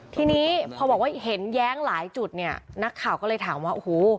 ทีนี้พอบอกว่าเห็นแย้งหลายจุดเนี่ยนักข่าวก็เลยถามว่าโอ้โห